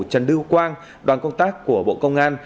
trần lưu quang đoàn công tác của bộ công an